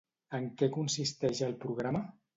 En què consisteix el programa?